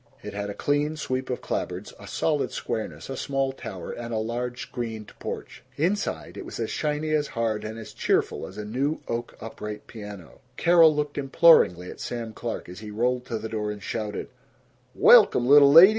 It had a clean sweep of clapboards, a solid squareness, a small tower, and a large screened porch. Inside, it was as shiny, as hard, and as cheerful as a new oak upright piano. Carol looked imploringly at Sam Clark as he rolled to the door and shouted, "Welcome, little lady!